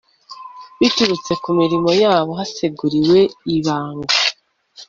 biturutse ku mirimo yabo haseguriwe ibanga